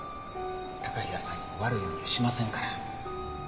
高平さんにも悪いようにはしませんから。